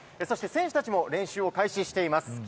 そして選手たちも練習を開始しています。